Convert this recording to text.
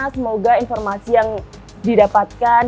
semoga informasi yang didapatkan